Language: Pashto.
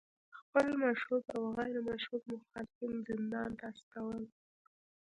خپل مشهود او غیر مشهود مخالفین زندان ته استول